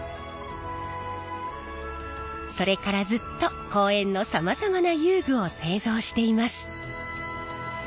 それからずっと公園のさまざまな遊具を製造しています。